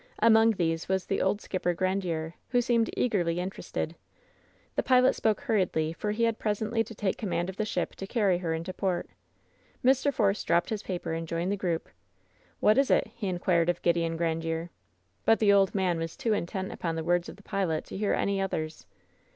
Among these was the old skipper Grandiere, who seemed eagerly interested. The pilot spoke hurriedly, for he had presently to take command of the ship to carry her into port. Mr. Force dropped his paper and joined the group. "What is it?" he inquired of Gideon Grandiere. But the old man was too intent upon the words of the pilot to hear any others.